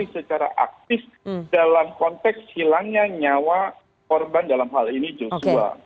secara aktif dalam konteks hilangnya nyawa korban dalam hal ini joshua